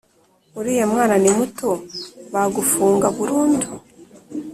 Uriya mwana ni muto bagufunga burundu